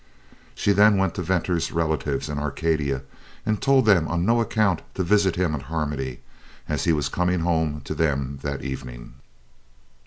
She then went to Venter's relatives in Arcadia and told them on no account to visit him at Harmony, as he was coming home to them that evening.